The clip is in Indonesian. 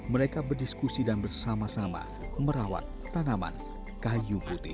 mereka berdiskusi dan bersama sama merawat tanaman kayu putih